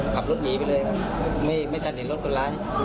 ขับรถหนีไปเลยค่ะไม่สาธิตรถคนร้าย